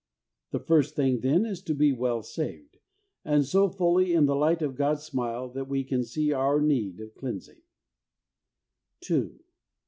The first thing, then, is to be well saved, and so fully in the light of God's smile that we can see our need of cleansing. 2.